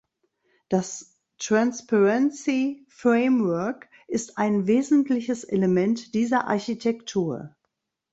Das Transparency Framework ist ein wesentliches Element dieser Architektur.